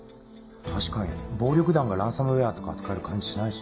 確かに暴力団がランサムウェアとか扱える感じしないし。